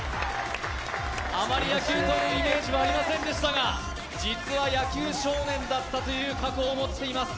あまりイメージはありませんが実は野球少年だったという過去を持っています。